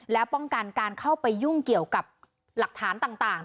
และป้องกันการเข้าไปยุ่งเกี่ยวกับหลักฐานต่าง